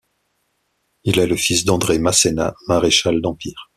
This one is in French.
Il est le fils d'André Masséna, maréchal d'Empire.